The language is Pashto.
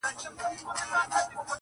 امیر ږغ کړه ویل ستا دي هم په یاد وي-